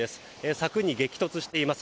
柵に激突しています。